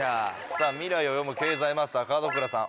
さぁ未来を読む経済マスター門倉さん。